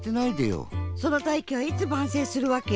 その大器はいつ晩成するわけ？